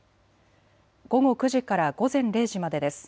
午後９時から午前０時までです。